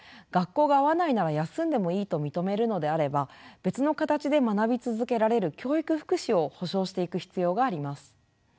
学校が合わないなら休んでもいいと認めるのであれば別の形で学び続けられる教育福祉を保障していく必要があります。